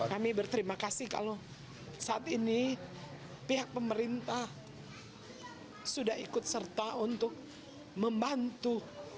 kami berterima kasih kalau saat ini pihak pemerintah sudah ikut serta untuk membantu